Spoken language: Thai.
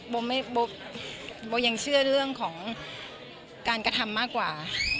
โบยังเชื่อเรื่องของการกระทำมากกว่า